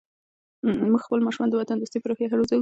موږ خپل ماشومان د وطن دوستۍ په روحیه روزو.